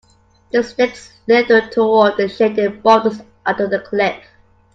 The snake slithered toward the shaded boulders under the cliff.